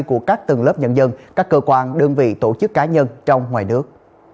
của các tầng lớp nhân dân các cơ quan đơn vị tổ chức cá nhân trong ngoài nước